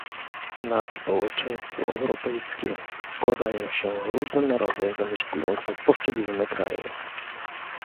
Na społeczeństwo europejskie składają się różne narody zamieszkujące poszczególne kraje